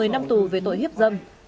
một mươi năm tù về tội hiếp dâm